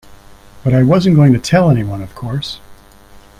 But I wasn't going to tell anyone, of course.